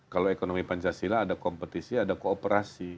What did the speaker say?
kalau ekonomi pancasila ada kompetisi ada kooperasi